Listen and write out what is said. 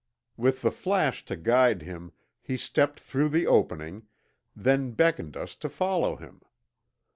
With the flash to guide him he stepped through the opening, then beckoned us to follow him.